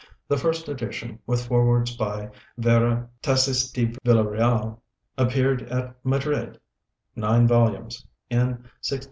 The first edition, with forewords by Vera Tassis de Villareal, appeared at Madrid (nine volumes) in 1682 91.